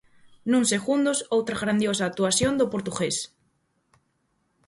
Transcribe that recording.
Nuns segundos outra grandiosa actuación do portugués.